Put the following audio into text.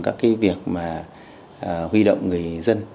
các việc huy động người dân